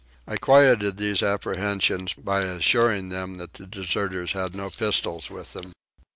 I quietened these apprehensions by assuring them that the deserters had no pistols with them.